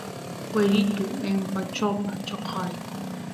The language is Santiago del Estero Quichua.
cueritu empachopa choqay